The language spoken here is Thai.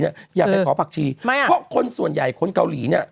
อย่าฝากขอผักชีเพราะคุณส่วนใหญ่คนเกาหลี